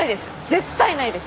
絶対ないです。